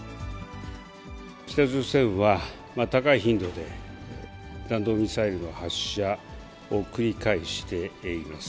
北朝鮮は、高い頻度で弾道ミサイルの発射を繰り返しています。